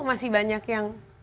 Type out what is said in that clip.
masih banyak yang